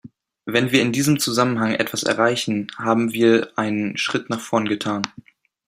Wenn wir in diesem Zusammenhang etwas erreichen, haben wir einen Schritt nach vorn getan.